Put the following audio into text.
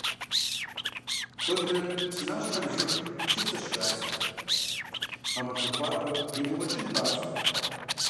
Куэдрэ псынащхьэм жыг, чыцэ щыхасэ, гъэмахуэ хуабэм имыгъукӀын папщӀэ.